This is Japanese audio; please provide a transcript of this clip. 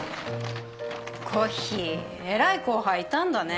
コッヒー偉い後輩いたんだね。